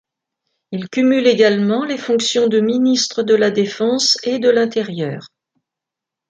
Il cumule également les fonctions de ministre de la Défense et de l'Intérieur.